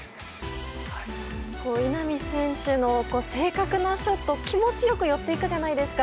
稲見選手の正確なショット気持ちよく寄っていくじゃないですか。